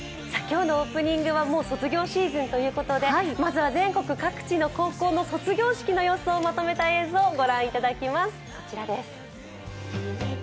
今日のオープニングはもう卒業シーズンということでまずは全国各地の高校の卒業式の様子をまとめたものを御覧いただきます、こちらです。